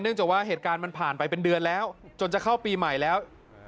จากว่าเหตุการณ์มันผ่านไปเป็นเดือนแล้วจนจะเข้าปีใหม่แล้ว